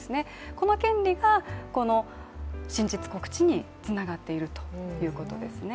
この権利が真実告知につながっているということですね。